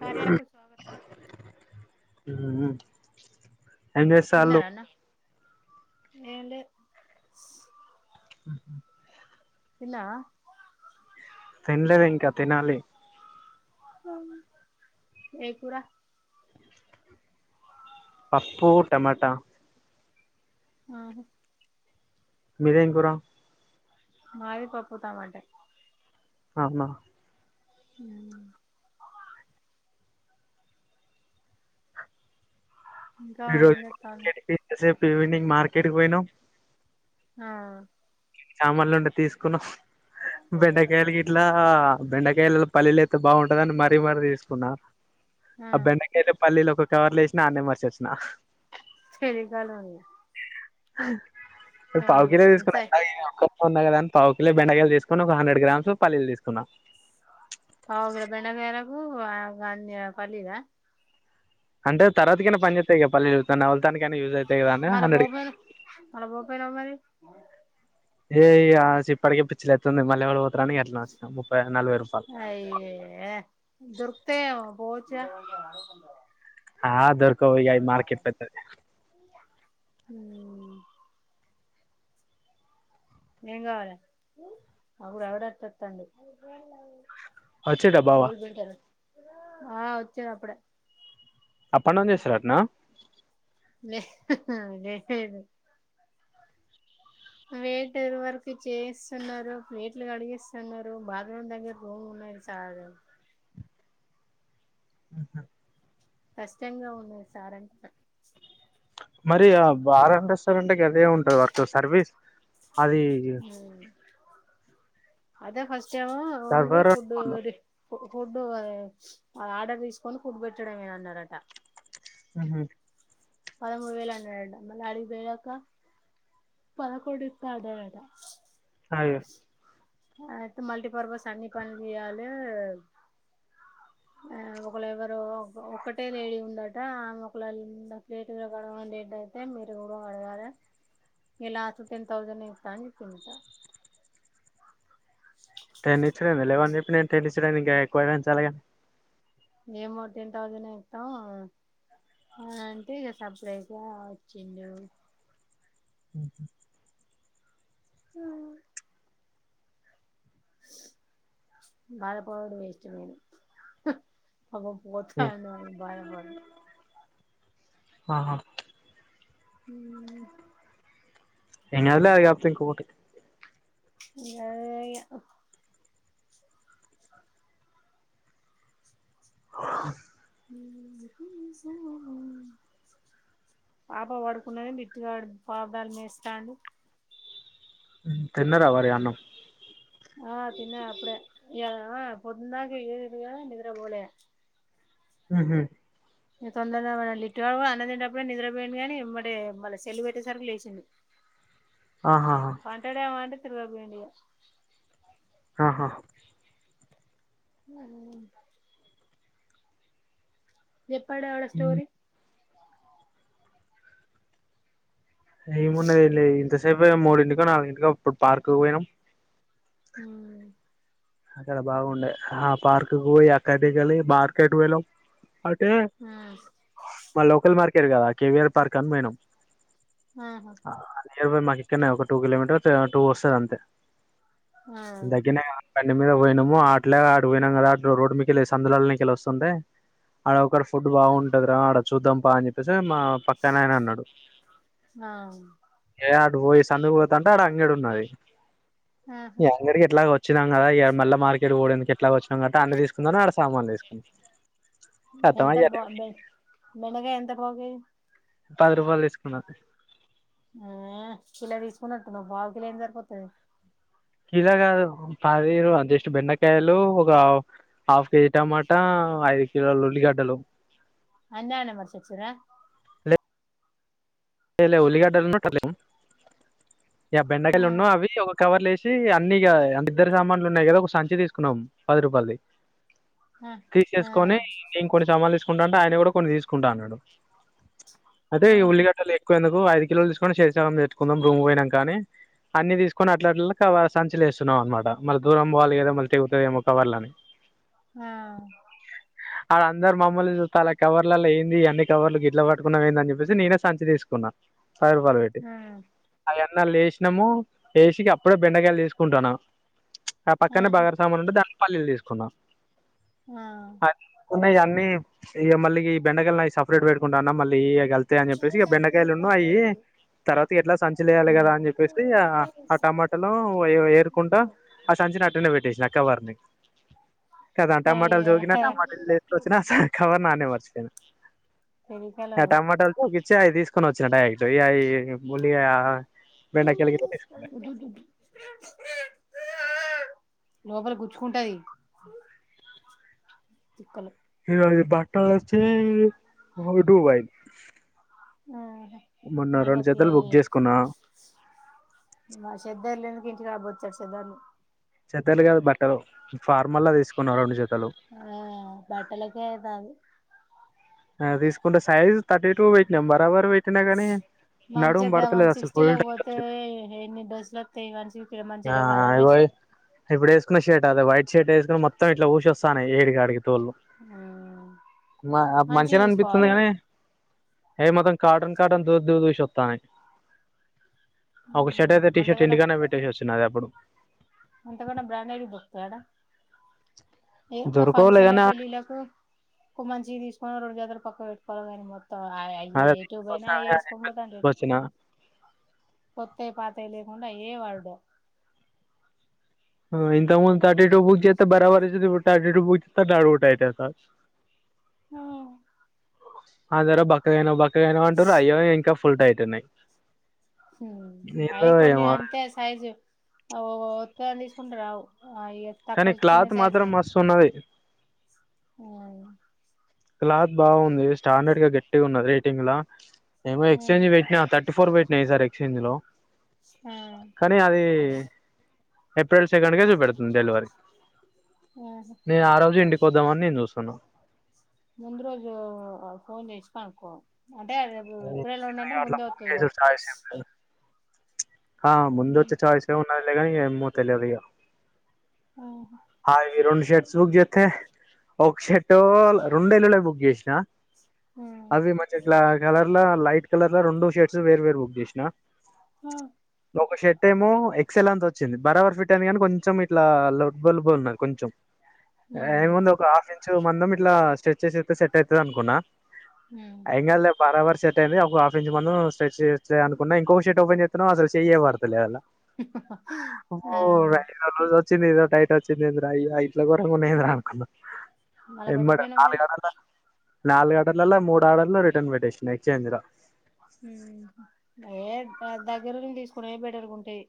కార్యకు ఏమి చేసారు ఎలే ఆ ఇలా తినలేదు ఇంకా తినాలి ఏ కూర పప్పుటమాటా ఆహ మీదేం కూర మాది పప్పు టమాటే అవున ఉం ఇంకా ఏం చేత్తాలు ఈరోజు వినింగ్ మార్ [inaudible] క్రికెట్ కి పోయినం ఆ చమల్లు నుండి తీసుకున్నా బెండకాయలకి ఇట్లా బెండకాయలలో పల్లీలుఎస్తతే బాగుంటందని మరి తీసుకున్నా ఆ బెండకాయలె పల్లిలు కవర్లు ఎసినా అడ్నె మర్చెసిన క్షనీకాలం ఇది అ [inaudible] అయ్యో ఎంత ఐంది కొన్న కద అని పావుకిలు బెండకాయలు తీసుకుని ఒక హండ్రెడ్ గ్రామ్స్ పల్లీలు తీసుకున్నా పావు కిలో బెండ కాయలకు ఆ పల్లీల అంటే తర్వాతకినా పని చేతాయి కదా పల్లిలు నవుల్ తానికి ఐన యూస్ అయి తాయి మల్ల బో పోయినవు మల్ల బో పోయినవు మరి ఆ [inaudible] ఏ ఇగ ఇప్పటికే పిచ్చిలేతంది మళ్ళి ఎవరు పోతరాని ఇగ అట్లా నే వచ్చిన నలభై రూపాయలు అయ్య యే దొరుకుతాయి ఏమో పో జ ఆ దొర్కవు ఇగ ఈ మార్కెట్ పెద్దది. హ్మ్ ఏం గావాలే అప్పుడు ఎవడ తె వస్తాండు. అచ్చిండ బావా ఆ వచ్చిండ్ అప్పుడే అప్పన్ డౌన్ చేస్తాడట్న లే లేేదు. వేటరు వర్క్ చేయిస్తున్నరు ప్లేట్లు కడిగిస్తున్నరు బాత్రూమ్ దగ్గర రూమ్ ఉన్నది చాలు ఆహ కష్టంగా ఉన్నది సార్ అంటున్న మరి ఆ బారన్ రెస్టారెంట్ గదే ఉంటది వర్క్ సర్వీస్ అది అదే ఫ ఫస్టేమో ఓన్లీ సర్వర్ ఫూడ్డు అనుకుంటా ఫుడ్ ఆర్డర్ తీసుకొని ఫుడ్ పెట్టడమే అన్నరట. మ్ హ్ పదమూడు వేల అన్నడట మళ్ళ అడితే కదా అక్క పదకొండు ఇస్తా అన్నరట అయ్యో ఆ అయితే మల్టీటిపర్పస్ అన్ని పనుల్ చేయాలె ఆ ఒకల్ ఎవరో ఒకటే లేడీ ఉందట ఆమె ఒకళ ప్లేట్ కడగడం ఏంటి అంటే మీరు కూడా కడగాల ఇగ లాస్ట్ టెన్ తౌసంనే ఇస్తా అని చెప్పిందట అ టెన్ యిచ్చిండేది లీవెన్ చెప్పి నేన్ టెన్ ఇచ్చుడెంది ఇంకా ఎక్కువ చాలక ఏమో టెన్ తౌసంనే ఇత్తం అ అంటే ఇక సప్డగా వచ్చిండు. హ్ ఆ బాధ పడి వెస్ట్ నేను అబ్బ పోతండు అని బడపడ ఆహా హ్ ఏం కాదులే అది కాకపోతే ఇంకొకటి అదే ఇగ ఆ పాప పడుకున్నది బిట్టు గాడు పాప్దాల మేస్తాండు తిన్నరా మరి అన్నం. ఆ పొద్దుందాకా ఎగిరిన్రుగా నిద్రపోలే మ్ హ్ తొందర్గా లిట్టూగాడ్ అన్నం తినేటప్పుడే నిద్రపోయిండు గనీ ఎంబటే మళ్ళ సెల్లు పెట్టేసరికి లేచిండు. ఆహా పంటాడేమో అంటే తరువాకుడి ఆహా ఆ చెప్పాడు ఆడ స్టోరీ ఈ మన్నద ఇల్ ఇంత సేపు మూడింటికో నాలుగుంటికో అప్పుడు పార్కు పోయినాం హ అక్కడ బాగుండే ఆ పార్కు పోయి అక్కడ కలి మార్కెట్ వెళం అటే మా లోకల్ మార్కె రు కదా కేవిఆర్ పార్క్ అను మేనం ఆహా నియర్ బై మాకు ఇక్కడనే ఒక టూ కిలోమీటర్ టూ వస్తారు అంతే ఆ పన్ని మీద పోయినాము అట్లేగా అ పోయినాము కదా అ రోడ్ మీకెళ్ళి సందులాలనికెలి వస్తుంటే ఆడ ఒకక్కడ ఫుడ్ బాగుంటది రా ఆడ చూద్దాం పా అని చెప్పే మా పక్కనయన అన్నాడు ఆ ఏ ఆడు పోయి సందుకుపోత అంటే ఆడు అంగడు న్నాయి ఆహా అంగరి కేట్లాక వచ్చ వచ్చినా కదా మళ్ళీ మార్కెట్ ఓడిడాకి ఎట్లాగా వచ్చినా గట్ట అన్ని తీసుకుందాని ఆక్కడ సామానులు తీసుకుందం ఎంత బ బెండకాయ ఎంత తర్వాగే పది రూపాయలు తీసుకున్నా ఆ కిలా తీసుకున్నట్టు నువ్వు బావుకిలో ఏం సరిపోతుది కీలాగా పారీరు అంతెస్ట్ బెన్నకాయలు ఒక ఆఫ్ కేజీ టమాటా ఆ ఇల ఉల్లిగడ్డలు అన్యన మర్చక్సరా ఏ ఉలిగాడ్డన్నట్ట ఆ బెండకాయలు ఉన్నావు అవి ఒక కవర్ లేసి అన్ని ఇగ ఇద్దరి దగ్గర సామాన్లు ఉన్నాయి గదా ఒక సంచి తీసుకున్నాం పది రూపాయలది ఆ ఆ తీసేసుకొని నేను కొన్ని సమాలు తీస్ కుంటంటే ఆయన గుడా కొన్ని తీసుకుంటా అన్నడు ఐతే ఈ ఆహా ఉల్లిగడ్డల ఎక్కువెందుకు ఐదు కిలోలు తిసుకొని సెరి సగం చేసుకుందాం రూమ్ కి పోయినాంక కానీ అన్ని తీసుకొని అట్లట్ల కవ సంచిలో వేస్కున్నాం అనమాట మళ్ళ దూరం పోవాలి మల్ల దూరం పోవాలి మళ్ళ తేగుతదేమో కవర్ అనేసి ఆ ఆడ్ అందరూ మమ్మల్ని చూస్తరు కవర్లలో ఏంది అన్ని కవర్లు గిట్ల పట్టుకున్నార్ ఏందని చెప్పేసి నేనే సంచి తీసుకున్నా పది రూపాయలు పెట్టీ ఆ ఆల్ ఎన్ ఆ లేసినాము వేసికి అప్పుడే బెండకాయలు తీసుకుంటాన్న ఆ పక్కనే ఆహా బగార సామాన్లు ఉంటే దాంట్లో పల్లిలు తీసుకు కొన్న ఆ ఉన్నాయి అన్నీ ఇక మళ్ళీ ఈ బెండకాయలు నావి సపరేట్ పెట్టుకుంటున్న మళ్ళీ ఇగ కలుత్తయి అని చెప్పేసి బెండకాయలును అయి తర్వాత ఎ సంచి కదా ఉమ్ అని చెప్పేసి ఆ టమాటాలు ఏరుకుంటా ఆ సంచిన అటునే పెట్టేసిన ఆ కవర్ ని కదా టమాటాలు అయ్యో జోకిిన టమాటాలు తీసుకువచ్చిన కవర్ ఆనె మర్చిపోయిన తెలికలో ఆ టమాటాలుతో ఇచ్చి అ తీసుకొని వచ్చు చిన్నడయి జయా [unintelligible] ఇగ ఆమె [unintelligible] లోపల గుచ్చుకుంటది చిక్కళ్ళు బట్టలు వచ్చినాయి [unintelligible] ఆ ఇంగ తి అయి బుక్ చేసుకున్నా ఆ శబ్ధాలు ఇంటికి రాబోచ్చాడు దాన్ని చెతలు కదా బట్టలు ఫార్మల్లా తీసుకున్నారు రెండు చె ఆ బట్టలకే అయితంది ఆ తీసుకుంటే సైజ్ థర్టీ టూ పెట్టినాం బరాబర్ పెట్టినాం మాంచిగా వన్ ఫుల్ సక్స్టీటీలో టైట్ పోతే వచ్చింది ఎన్ని డ్రస్సులు వస్తాయి వన్ సక్స్టీలో మంచిగా ఆ లేవా ఇగో డ్రస్సులు ఇప్పుడు షర్ట్ అది వైట్షట్ వేసికుని మొత్తం ఇట్లా ఉసూ వస్తున్నాయి ఏడికి ఆడికి [unintelligible] మా మంచివి మంచినే అనిపిస్తుంది తీసుకోవాలే కానీ ఏ మాత్రం కార్టన్ కార్టన్ దూ దూ దూసిస్తాన్నాయి ఒక షర్ట్ అయితే టీషర్ట్ ఇంటికడనే పెట్టేసివచ్చిన నాది అప్పుడు అంత కన్నా బ్రాండెడ్ దొరుకుతాయా ఆడ ఏ దొరకవులే ఫంక్షన్ లో గాని పేళ్ళిళలకు మంచిది తీసు కొనీ రెండు జతలు పక్క పెట్టుకోవలి కానీ మో అవే అదే ఏటు పోయినా ఏసుకుని పోతండ్రు వచ్చిన కొత్తవి పాతవి తెలికుండా అయ్యే వాడుడు ఇంత ముందు థర్టీ టూ బుక్ చేతే బరాబరి థర్టీ టూ బుక్ చే డ ఉటాయితే సార్ ఆ అందరూ బక్కగా అయినావు బక్క ఇనా ఉంటారు అయ్యో ఇంకా ఫుల్ టైట్ ఉనాయి అయి కొన్ని అంతే సైజు ఆ ఓత్తని తీసుకుంటే రావు ఇగ తక్కువ కానీ చిన్న క్లాత్ మాత్రం మస్తు ఉన్నది అ క్లాత్ బాగుంది స్టాండర్డ్ గా గట్టిగా ఉన్నది రేటింగ్ లా నేను కూడా ఎక్చేంజ్ పెట్టిన ట్వంటీ ఫోర్ పెట్టిన ఇ సారి ఎక్స్చేంజిలో మ్ ఏప్రిల్ సెకండ్ క చుపెడుంది డెలివరి నేను ఆ రోజు ఎండి ద్దామని నేను చూస్తున్నా ముందు రోజు ఫోన్ చేసితా అనుకో అంటేే ఎప్పుడళ ఎందుకులే ఉన్నంటే అట్లా ముందే ఫోన్ వతుంది పో చేసి చాయిస్ ఏం లేదు. ఆ ముందు వచ్చే ఛాయస్ ఎమో కానీ మూ తెలి అద ఓహ అవి రెండు షర్ట్స్ బుక్ చేస్తే ఒక షర్ట్ రెండు ఎల్ లులే బుక్ చేసిన అవి మంచి ద కలర్ లైట్ కలర్లా రెడు షర్ట్స్ వేరు వేరు బుక్ చేసిన హ ఒక షర్ట్ ఏమో ఎక్స ఎల్ అంత వచ్చింది బరాబర్ ఫిట్ అయింది కానీ కొంచెం ఇట్లా అ బలు బ ఉన్నారు కొంచెం ఏముంది ఒక హాఫ్ ఇంచు మందం ఇట్లా స్ట్రెచ్ చేస్ అయితే సెట్ అయితది అనుకున్నా ఎం కాదు లే బార్బర్ సెట్ ఒక హాఫ్ ఇంచ మనం స్ట్రెచ్ చేలే అనుకున్నా ఇంక షట్ ఓపెన్ చేస్తును అసలు చేయ పడతలే యలా ఆ చి ఎదో టైప్ ఇది ఏందీరా అయ్యా ఇట్ల ఘోరంగా ఉన్నాయి అని అనుకున్నాం మల పెట్టపోయిన మరి నాలుగు ఆడలలో మూడు ఆడర్లు రిటర్న్ పెట్టేసి ఎక్స్చేంజ్ లా ఉమ్ ఏ దగ్గరనే తీసుకునే బెటర్గుంటాయి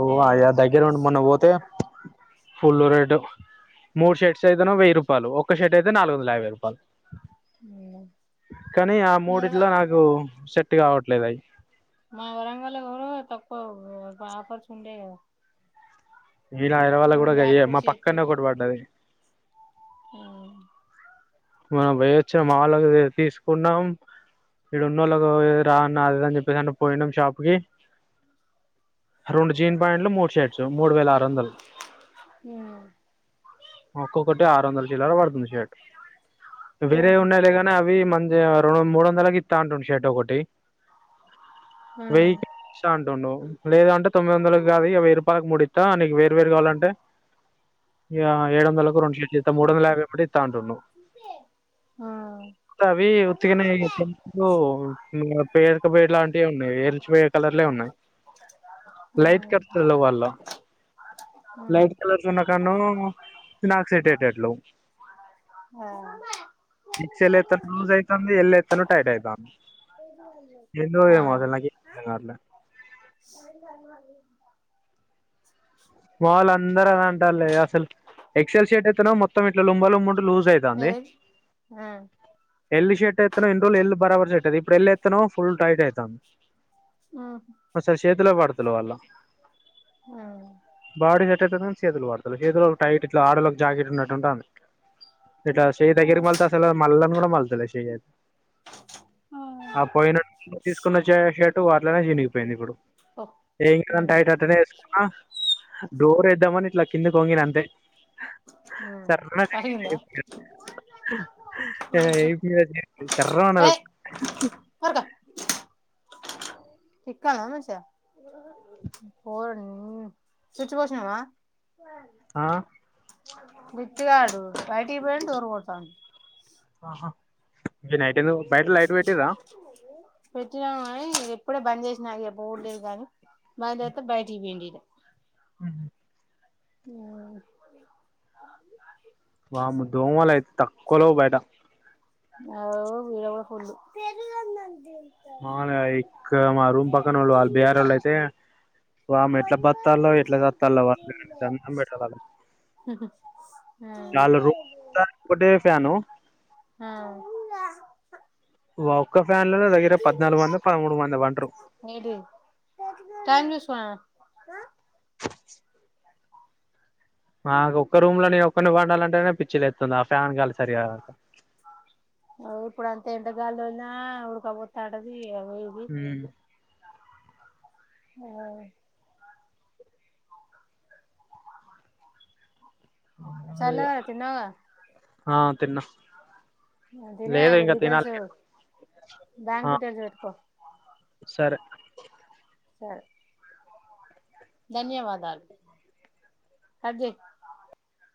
ఓ ఆ ఇగ దగ్గిరుండ్ మొన్న పోతే ఫుల్లు రేటు మూడు షర్ట్స్ అయితేను వెయ్యి రూపాయలు ఒక్క షర్ట్ అయితే నాలుగు వందల యాభై రూపాయలు కానీ ఆ మన మూడిట్లో నాకు షర్ ట్ట్ కావట్లేదు అయి మా వరంగల్లో కూడా తక్కువ ఆఫర్స్ ఉండేయి కదా తీరా హైదరాబాద్ లో కూడా ఇగ ఈ వేప మా చెట్టు పక్కనే ఒకటి పడ్డది ఉమ్ మనం పొయ్యొచ్చాం మా వాళ్ళకి తీసుకున్నాం ఇడున్నోళ్ళకి చం మూడు వేల ఆరు వందలు ఒక్కొక్కటి ఆరు వందల చిల్లర పడుతుంది షర్ట్ వేరే ఉండెలే కానీ అవి మం అ రెండు మూడొందలకిత్తా అంటుడు షర్ట్ ఒకటి వెయ్యిక్ షా అంటుండు లేదంటే తొమ్మిది వందలకి కాదు ఇగ వెయ్యి రూపాయలకి మూడిత్తా నీకు వేరు వేరు కావాలంటే ఇగ ఏడు వందలకు రెండు షర్ట్ లిస్తా మూడు వంద వచ్చు యాభై ఒకటిత్తా అంటుండు ఆ అవి ఉతికిినవి [unintelligible] పేడక పోయే లాంటివి ఉన్నాయి ఎల్చి పోయ కలర్లే ఉన్నాయి లైట్ కలర్ [unintelligible] వాళ్ళు లైట్ కలర్స్ ఉన్న కాడ్ను ఫినాక్సైటేటట్లు ఎక్సల్ ఏత్తేను లూజ్ ఐతుంది ఎల్ ఎత్తేను టైట్ ఐతాంది ఎందో ఏమో అసలు నాకే [unintelligible] అర్ధం కావట్లా మా వాళ్ అందరూ అదే అంటాల్లే ఆసలు ఎక్సెల్ షేట్ అయితేనో మొత్తం ఇట్లా లుంగ లుంగుంటు లూజ్ ఐతాంది ఏది ఆ ఎల్ షర్ట్ ఏత్తేనో ఇన్ రోజులు ఎల్ బరాబర్ షర్ట్ అది ఇప్పుడు ఎల్ ఏత్తేనో ఫుల్ టైట్ ఐతాంది ఉమ్ ఓ సారి చేతిలో పడు పిలవాల ఉమ్ బాడీ సెట్ ఐతాంది కానీ చేతులు పడతలే చేతులో టైట్ ఇట్లా ఆడోళ్ళకు జాకెట్ ఉన్నట్టు ఉంటాంది ఇట్లా చెయ్ దగ్గరి మల్లను గూడ మల్ తెలే షీ [inaudible] ఆ పోయిన [inaudible] తీసుకోనొచ్చే షట్ వాటిలోనే చినిగిపోయింది ఇప్పుడు ఓ ఏంట్రాని ఉమ్ టైటైతెనే ఏసుకున్నా డోర్ ఏద్దామని ఇట్లా కిందకి వొంగిన అంతే ఉమ్ సర్రున అరిగిందా చినిగింది [inaudible] సర్రుమన్నది ఏయ్ చిక్కాలమచ్చ ఓరి నీ చిచ్చి పోసినవా ఆ బిచ్చగాడు బయటికి పోయి దూర కొతాం ఆహా నైట్ బయట లైట్ పెట్టిర పెట్టినాము కానీ ఎప్పుడే బంద్ చేసినా అ బడలేదు కాని మళ్తే బయటికి పోయి [unintelligible] మ్ అ మ దోమలు అయితే తక్కువలో బయట అవు వీర కూడా మాగా ఇక్క మా రూమ్ పక్కన వాళ్ళు వాళ్ళు బేర్ వాళ్ళు అయితే, వా ఎట్లా బత్తాలో ఎట్లా చత్తాలో వాళ్ళ అన్నం పెట్టాల వాళ్ళ వాళ్ళ రూమ్ ఒకటే ఫ్యాను ఆ ఒక్క ఫ్యాన్లలో దగ్గర పద్నాలుగు మంది పదమూడు మంది వంటరు ఏంటిది హ అ ఒక్క రూమ్ లోనే ఒక్కరిని వండాలంటేనే పిచ్చిలు లేతుంది ఆ ఫ్యాన్ గాలి సరిగా రాక ఇప్పుడు అంత ఎంటగాలినా ఉడకబోతాంటది అవది ఉమ్. ఆ చల్లవ తిన్నవ్గ అ తిన్న మ్ తినేయ డీటెయిల్స్ బ్యాంక్ డీటెయిల్స్ పెట్టుకో సారె సార్ ధన్యవాదాలు కట్జెయి